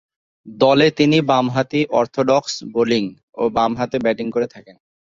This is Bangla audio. দলে তিনি বামহাতি অর্থোডক্স বোলিং ও বামহাতে ব্যাটিং করে থাকেন।